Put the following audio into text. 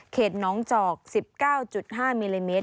เข็ดหนองจอก๑๙๕มิลลิเมตร